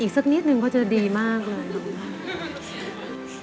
สักนิดนึงก็จะดีมากเลย